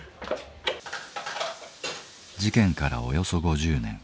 事件からおよそ５０年。